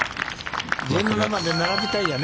１７番で並びたいよね。